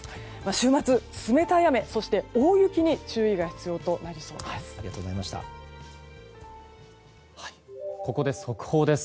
週末、冷たい雨、そして大雪に注意が必要となりそうです。